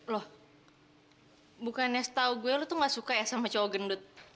loh bukannya setau gua lu tuh nggak suka ya sama cowok gendut